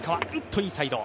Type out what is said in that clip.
インサイド。